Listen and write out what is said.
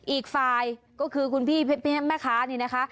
อีกฝ่ายก็คือคุณพี่แม่ค้านี่นะคะ